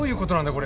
これ